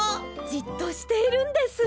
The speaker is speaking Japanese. じっとしているんです。